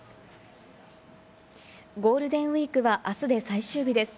ゴールデンウイークは明日で最終日です。